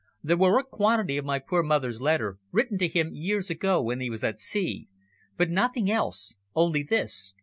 There were a quantity of my poor mother's letters, written to him years ago when he was at sea, but nothing else, only this."